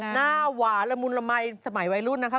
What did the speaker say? หน้าหวานละมุนละมัยสมัยวัยรุ่นนะคะ